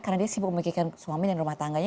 karena dia sibuk memikirkan suami dan rumah tangganya